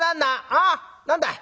「ああ何だい？